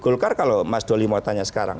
golkar kalau mas dolly mau tanya sekarang